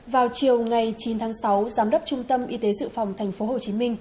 vào chiều ngày chín tháng sáu giám đốc trung tâm y tế dự phòng tp hcm